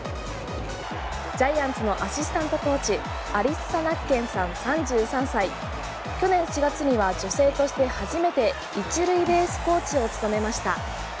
ジャイアンツのアシスタントコーチアリッサ・ナッケンさん、３３歳去年４月には女性として初めて１塁ベースコーチを務めました。